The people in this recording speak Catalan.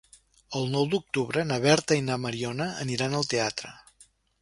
El nou d'octubre na Berta i na Mariona aniran al teatre.